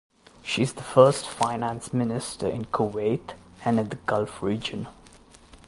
She is the first female finance minister in Kuwait and in the Gulf region.